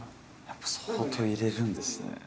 やっぱ相当入れるんですね。